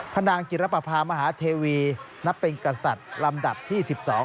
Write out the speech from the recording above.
นางจิรปภามหาเทวีนับเป็นกษัตริย์ลำดับที่๑๒